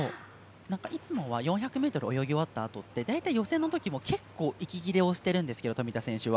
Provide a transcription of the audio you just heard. いつもは４００ｍを泳ぎ終わったあとって大体、予選のときも結構、息切れをしているんですが富田選手は。